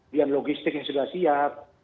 dan logistik yang sudah siap